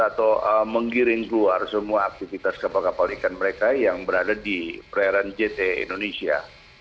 atau menggiring keluar semua aktivitas kapal kapal ikan mereka yang berada di perairan jt indonesia